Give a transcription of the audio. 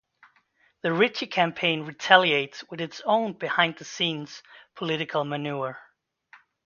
The Ritchie campaign retaliates with its own behind-the-scenes political maneuver.